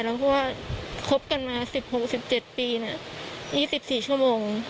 เพราะว่าคบกันมา๑๖๑๗ปี๒๔ชั่วโมง